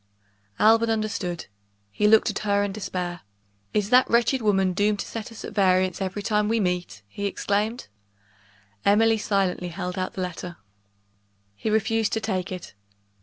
Alban understood: he looked at her in despair. "Is that wretched woman doomed to set us at variance every time we meet!" he exclaimed. Emily silently held out the letter. He refused to take it.